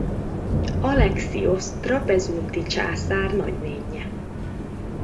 Alexiosz trapezunti császár nagynénje.